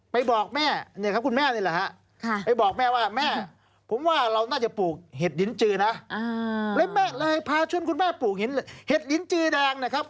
บอกแม่เนี่ยครับคุณแม่นี่แหละฮะไปบอกแม่ว่าแม่ผมว่าเราน่าจะปลูกเห็ดลิ้นจือนะแล้วแม่เลยพาชวนคุณแม่ปลูกเห็ดลิ้นจือแดงนะครับ